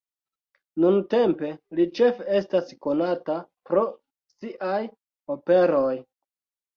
Nuntempe li ĉefe estas konata pro siaj operoj.